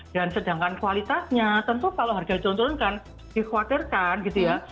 dan sedangkan kualitasnya tentu kalau harga diturunkan dikhawatirkan gitu ya